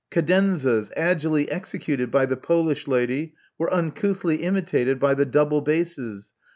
Cadenzas, agilely executed by the Polish lady, were uncouthly imitated by the double basses.